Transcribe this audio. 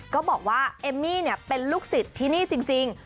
ก็บอกว่าเอมมี่เป็นลูกศิษย์ที่นี่จริง